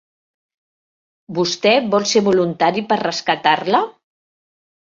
Vostè vol ser voluntari per rescatar-la.